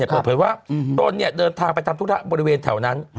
เปิดเผยว่าตนเดินทางไปทำธุระบริเวณแถวนั้น